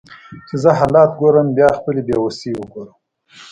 چې زه حالات ګورم بیا خپله بیوسي وګورم